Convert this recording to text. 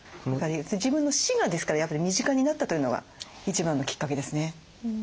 自分の死がですからやっぱり身近になったというのが一番のきっかけですね。